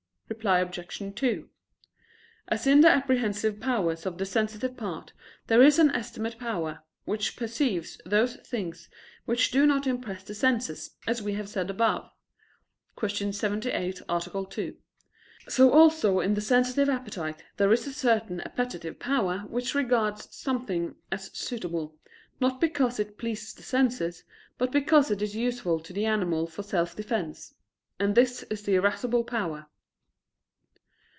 Reply Obj. 2: As in the apprehensive powers of the sensitive part there is an estimative power, which perceives those things which do not impress the senses, as we have said above (Q. 78, A. 2); so also in the sensitive appetite there is a certain appetitive power which regards something as suitable, not because it pleases the senses, but because it is useful to the animal for self defense: and this is the irascible power.